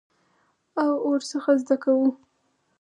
او ورڅخه زده کوو.